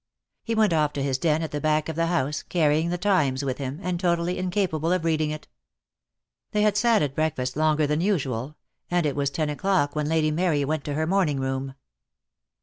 He went off to his den at the back of the house, carrying the Times with him, and totally incapable of reading it. They had sat at breakfast longer than usual, and it was ten o'clock when Lady Mary went to her morning room.